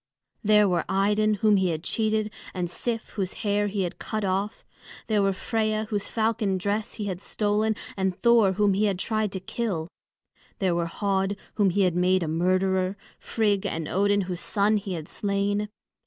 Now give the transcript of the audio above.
There were Idun whom he had cheated, and Sif whose hair he had cut off. There were Freia whose falcon dress he had stolen and Thor whom he had tried to kill. There were Höd whom he had made a murderer; Frigg and Odin whose son he had slain.